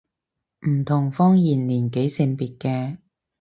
唔同方言年紀性別嘅